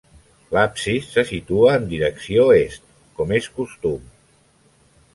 L’absis se situa en direcció est, com és costum.